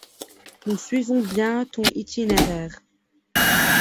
Nous suivons bien ton itinéraire.